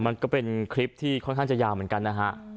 มันก็เป็นคลิปที่ค่อนข้างจะยาวเหมือนกันนะฮะ